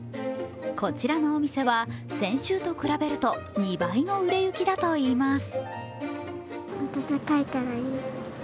こちらのお店は先週と比べると２倍の売れ行きだといいます。